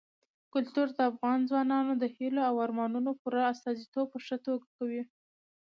کلتور د افغان ځوانانو د هیلو او ارمانونو پوره استازیتوب په ښه توګه کوي.